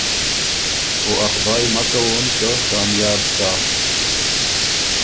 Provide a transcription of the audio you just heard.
او ا خدایٛ مک کوون که کامیاب سَۀ۔